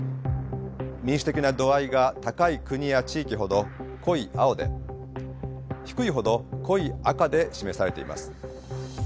民主的な度合いが高い国や地域ほど濃い青で低いほど濃い赤で示されています。